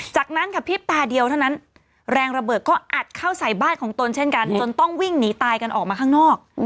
จากนั้นค่ะพริบตาเดียวเท่านั้นแรงระเบิดก็อัดเข้าใส่บ้านของตนเช่นกันจนต้องวิ่งหนีตายกันออกมาข้างนอก